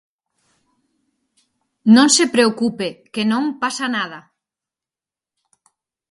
Non se preocupe, que non pasa nada.